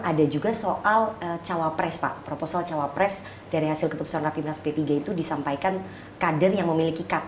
ada juga soal cawapres pak proposal cawapres dari hasil keputusan rapi menas p tiga itu disampaikan kader yang memiliki kta p tiga